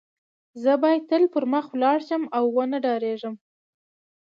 زه باید تل پر مخ ولاړ شم او و نه درېږم